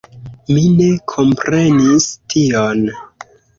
Mi ne komprenis tion.